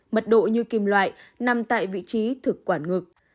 mật độ như kim loại nằm tại vị trí thực quản ngực